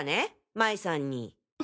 麻衣さんに。